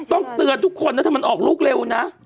ต้องเตือนทุกคนนะถ้ามันออกลูกเร็วนะ